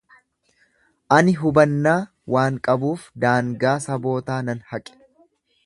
Ani hubannaa waan qabuuf daangaa sabootaa nan haqe.